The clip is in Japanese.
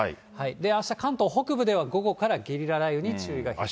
あした関東北部では午後からゲリラ雷雨に注意が必要です。